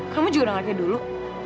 kamu juga udah nggak kayak dulu